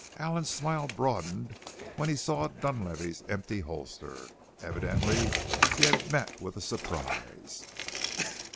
Allen's smile broadened when he saw Dunlavey's empty holster. Evidently he had met with a surprise!